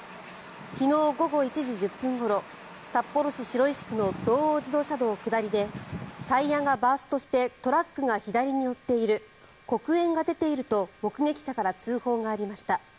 昨日午後１時１０分ごろ札幌市白石区の道央自動車道下りでタイヤがバーストしてトラックが左に寄っている黒煙が出ていると目撃者から通報がありました。